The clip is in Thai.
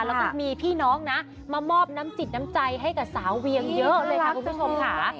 แล้วก็มีพี่น้องนะมามอบน้ำจิตน้ำใจให้กับสาวเวียงเยอะเลยค่ะคุณผู้ชมค่ะ